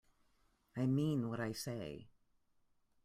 I mean what I say.